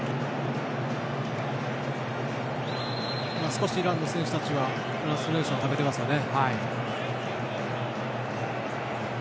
少しイランの選手たちはフラストレーションためていますね。